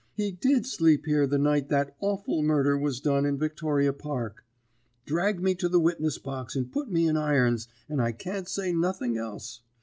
He did sleep here the night that awful murder was done in Victoria Park. Drag me to the witness box and put me in irons, and I can't say nothing else.